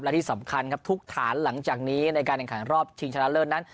และที่สำคัญครับทุกฐานหลังจากนี้ในการแข่งขันรอบชิงชนะเลิศนั้น